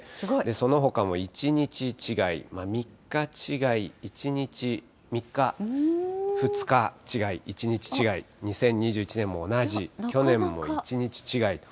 そのほかも１日違い、３日違い、１日、３日、２日違い、１日違い、２０２１年も同じ、去年も１日違いと。